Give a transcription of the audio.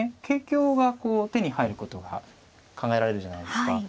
桂香が手に入ることが考えられるじゃないですか。